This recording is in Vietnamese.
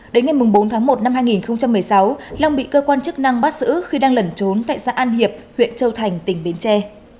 đến ngày bốn tháng một năm hai nghìn một mươi sáu long bị cơ quan chức năng bắt giữ khi đang lẩn trốn tại xã an hiệp huyện châu thành tỉnh bến tre